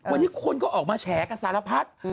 วันนี้คนก็ออกมาแฉกับสารพัด